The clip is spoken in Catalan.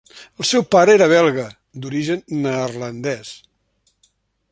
El seu pare era belga d'origen neerlandès.